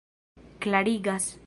klarigas